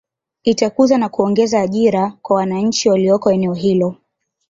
Itakuza na kuongeza ajira kwa wananchi walioko eneo hilo